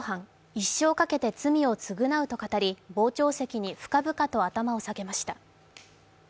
一生かけて罪を償うと語り、傍聴席に深々と頭を下げました。